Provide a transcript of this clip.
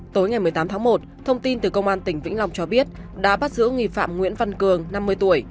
tối ngày một mươi tám tháng một thông tin từ công an tỉnh vĩnh long cho biết đã bắt giữ nghi phạm nguyễn văn cường năm mươi tuổi